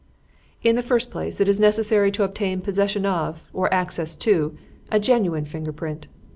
"In the first place it is necessary to obtain possession of, or access to, a genuine finger print.